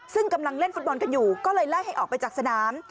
ซึ่งกำลังเล่นฟุตบอลกันอยู่ก็เลยไล่ให้ออกไปจากสนาม